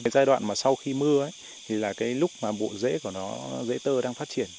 giai đoạn mà sau khi mưa thì là cái lúc mà bộ dễ của nó dễ tơ đang phát triển